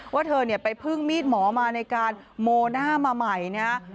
ว่าเธอเนี่ยไปพึ่งมีดหมอมาในการโมหน้ามาใหม่นะฮะ